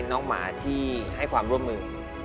น้องหมาที่ให้ความร่วมมือ